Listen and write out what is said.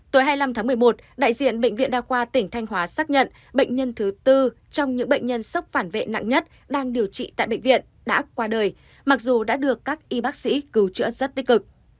tối hai mươi năm tháng một mươi một đại diện bệnh viện đa khoa tỉnh thanh hóa xác nhận bệnh nhân thứ tư trong những bệnh nhân sốc phản vệ nặng nhất đang điều trị tại bệnh viện đã qua đời mặc dù đã được các y bác sĩ cứu chữa rất tích cực